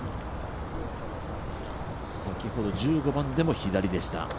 先ほど１５番でも左でした。